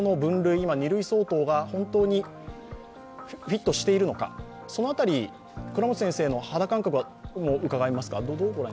今、二類相当が本当にフィットしているのか、その辺り、肌感覚を伺えますか？